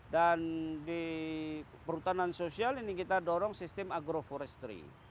dan di perhutanan sosial ini kita dorong sistem agroforestry